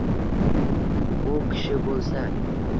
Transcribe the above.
U kishi bo’lsa: